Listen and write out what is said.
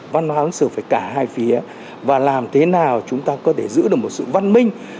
văn hóa ứng xử với cả hai phía và làm thế nào chúng ta có thể giữ được một sự văn minh